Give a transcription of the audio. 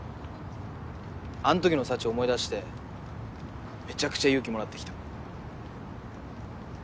あんときの紗智思い出してめちゃくちゃ勇気もらってきた。